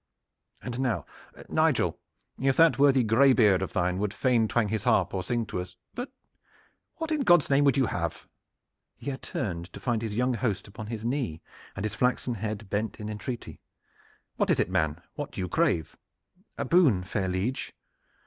And now, Nigel, if that worthy graybeard of thine would fain twang his harp or sing to us but what in God's name would you have?" He had turned, to find his young host upon his knee and his flaxen head bent in entreaty. "What is it, man? What do you crave?" "A boon, fair liege!"